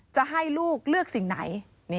จะให้ลูกเลือกสิ่งไหน